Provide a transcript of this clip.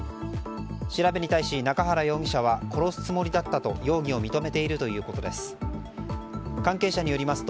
調べに対し、中原容疑者は殺すつもりだったと容疑を認めているということです。